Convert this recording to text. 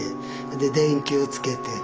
で電球をつけて。